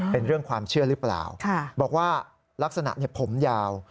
เป็นเรื่องความเชื่อหรือเปล่าบอกว่าลักษณะผมยาว